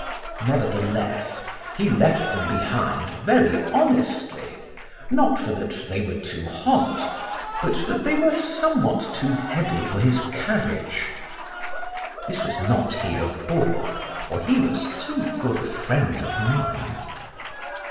Nevertheless, he left them behind very honestly, not for that they were too hot, but that they were somewhat too heavy for his carriage. This was not he of Bourg, for he was too good a friend of mine.